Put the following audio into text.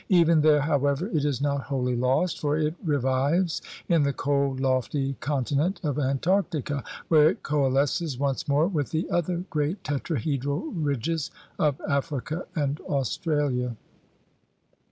Even there, however, it is not wholly lost, for it re vives in the cold, lofty continent of Antarctica, where it coalesces once more with the other great tetrahedral ridges of Africa and Australia.